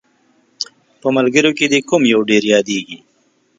په ملګرو کې دې کوم یو ډېر یادیږي؟